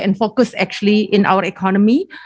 dan fokusnya sebenarnya dalam ekonomi kita